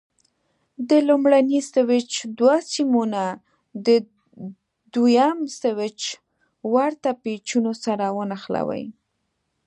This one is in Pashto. د لومړني سویچ دوه سیمونه د دوه یم سویچ ورته پېچونو سره ونښلوئ.